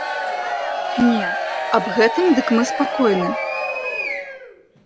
Не, аб гэтым дык мы спакойны.